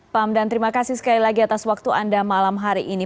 pak hamdan terima kasih sekali lagi atas waktu anda malam hari ini